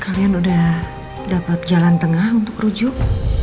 kalian udah dapat jalan tengah untuk rujuk